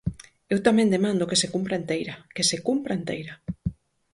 Eu tamén demando que se cumpra enteira, que se cumpra enteira.